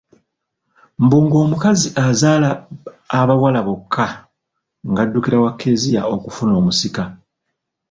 Mbu ng'omukazi azaala abawala bokka ng'addukira wa Kezia okufuna omusika.